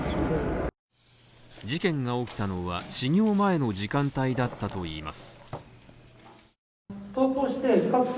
事件が起きたのは、始業前の時間帯だったといいます。